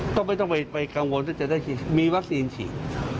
ก็ไม่ต้องไปกังวลถ้ามีวัคซีนฉีด